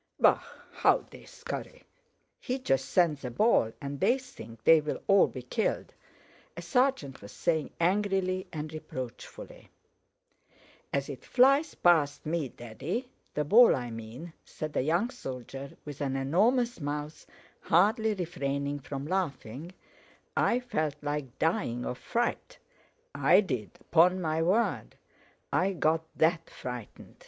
"Bah! How they scurry. He just sends a ball and they think they'll all be killed," a sergeant was saying angrily and reproachfully. "As it flies past me, Daddy, the ball I mean," said a young soldier with an enormous mouth, hardly refraining from laughing, "I felt like dying of fright. I did, 'pon my word, I got that frightened!"